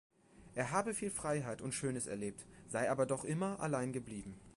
Er habe viel Freiheit und Schönes erlebt, sei aber doch immer allein geblieben.